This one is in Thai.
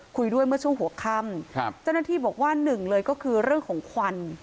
คุยด้วยเมื่อช่วงหัวค่ำครับเจ้าหน้าที่บอกว่าหนึ่งเลยก็คือเรื่องของควัน